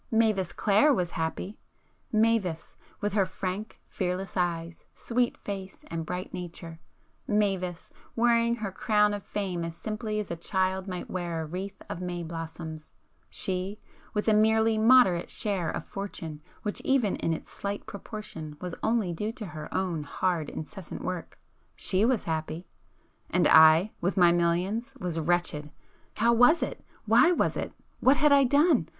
Mavis Clare was happy!—Mavis, with her frank fearless eyes, sweet face and bright nature,—Mavis, wearing her crown of Fame as simply as a child might wear a wreath of may blossom,—she, with a merely moderate share of fortune which even in its slight proportion was only due to her own hard incessant work,—she was happy. And I,—with my millions,—was wretched! How was it? Why was it? What had I done?